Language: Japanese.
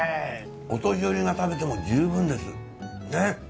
お年寄りが食べても十分ですねぇ。